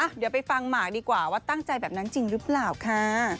เดี๋ยวไปฟังหมากดีกว่าว่าตั้งใจแบบนั้นจริงหรือเปล่าค่ะ